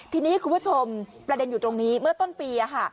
ทีนี้คุณผู้ชมประเด็นอยู่ตรงนี้เมื่อต้นปี